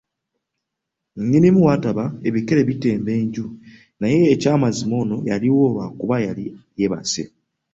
Nnyinimu w'ataba, ebikere bitemba enju naye eky'amazima ono yaliwo lwakuba yali yeebase.